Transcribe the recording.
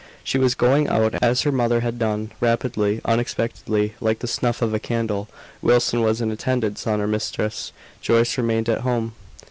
She was going out as her mother had done, rapidly unexpectedly, "like the snuff of a candle." Wilson was in attendance on her mistress; Joyce remained at home.